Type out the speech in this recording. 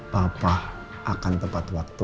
papa akan tepat waktu